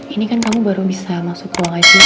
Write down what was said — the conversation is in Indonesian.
ini kan kamu baru bisa masuk ruang icu